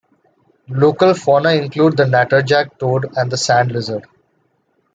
Local fauna include the Natterjack toad and the Sand lizard.